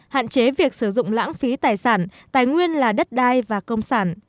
hạn chế việc sử dụng lãng phí tài sản tài nguyên là đất đai và công sản